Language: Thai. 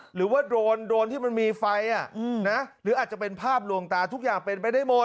หรือว่าโดรนที่มันมีไฟหรืออาจจะเป็นภาพลวงตาทุกอย่างเป็นไปได้หมด